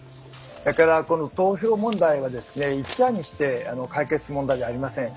だからこの投票問題はですね一夜にして解決する問題じゃありません。